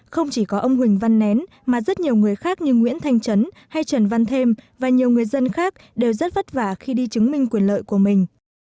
không chỉ có ông huỳnh văn nén mà rất nhiều người khác như nguyễn thanh trấn hay trần văn thêm và nhiều người dân khác đều rất vất vả khi đi chứng minh quyền lợi của mình